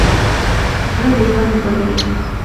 زړه د ژوند ګل دی.